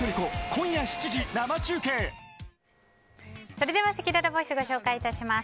それではせきららボイスをご紹介します。